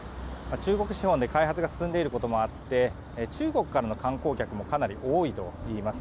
中国資本で開発が進んでいることもあって中国からの観光客もかなり多いといいます。